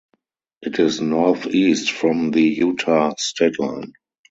It is northeast from the Utah state line.